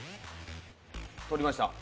取りました。